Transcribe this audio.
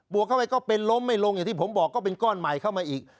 วกเข้าไปก็เป็นล้มไม่ลงอย่างที่ผมบอกก็เป็นก้อนใหม่เข้ามาอีก